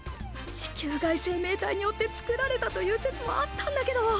地球外生命体によって作られたという説もあったんだけど。